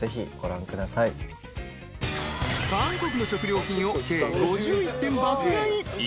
［韓国の食料品を計５１点爆買い］